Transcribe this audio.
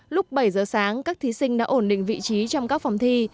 lúc bảy giờ sáng các thí sinh đã ổn định vị trí trong các phòng thi